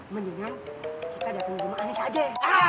mendingan kita datang rumah anis aja